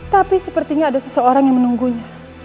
tapi sepertinya ada seseorang yang menunggunya